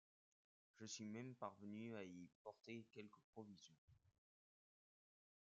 Je suis même parvenu à y porter quelques provisions.